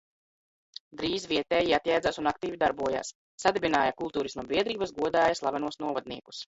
Dr?z viet?jie atj?dz?s un akt?vi darboj?s: sadibin?ja kult?risma biedr?bas, god?ja slavenos novadniekus.